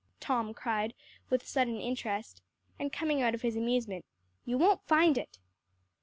Tom cried with sudden interest, and coming out of his amusement. "You won't find it."